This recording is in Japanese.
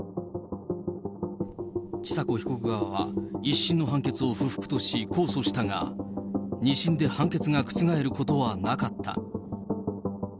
千佐子被告側は１審の判決を不服とし、控訴したが、２審で判決が覆ることはなかった。